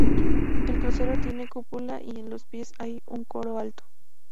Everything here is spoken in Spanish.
El crucero tiene cúpula y en los pies hay un coro alto.